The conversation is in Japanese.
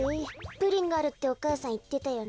「プリンがある」ってお母さんいってたよな。